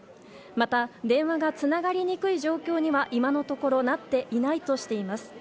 また電話がつながりにくい状況には今のところなっていないとしています。